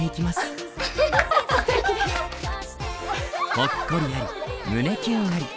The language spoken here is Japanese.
ほっこりあり胸キュンあり。